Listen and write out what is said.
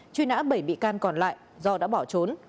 truy nã bảy bị can còn lại do đã bỏ trốn